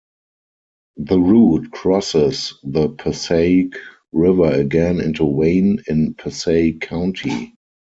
The route crosses the Passaic River again into Wayne in Passaic County.